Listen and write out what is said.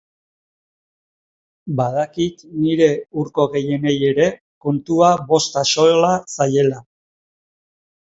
Badakit nire hurko gehienei ere kontua bost axola zaiela.